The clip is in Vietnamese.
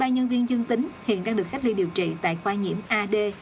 năm mươi ba nhân viên dương tính hiện đang được khách liên điều trị tại khoa nhiễm ad